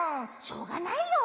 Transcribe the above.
しょうがないよ。